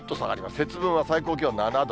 節分は最高気温７度。